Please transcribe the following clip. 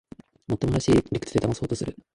もっともらしい理屈でだまそうとする